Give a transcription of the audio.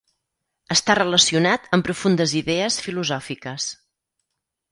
Està relacionat amb profundes idees filosòfiques.